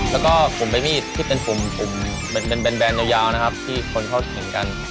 แล้วก็กลุ่มเป็นมีดที่เป็นปุ่มเป็นแบนยาวนะครับที่คนเขาเห็นกัน